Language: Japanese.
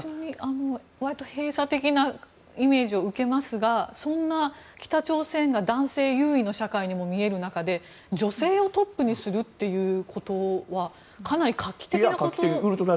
割と閉鎖的なイメージを受けますがそんな北朝鮮が男性優位の社会にも見える中で女性をトップにするということはかなり画期的なことだと思うんですが。